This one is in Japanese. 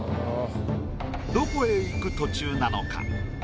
どこへ行く途中なのか？